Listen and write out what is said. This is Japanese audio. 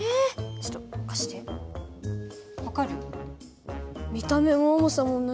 ちょっと貸してごらん。